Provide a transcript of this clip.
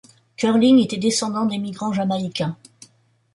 Curling était descendant d'émigrants jamaïcains.